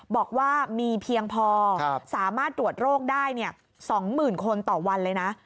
บอกว่ามีเพียงพอสามารถตรวจโรคได้๒๐๐๐คนต่อวันเลยนะ